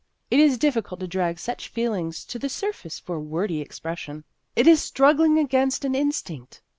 It is difficult to drag such feelings to the surface for wordy expression. It is struggling against an instinct.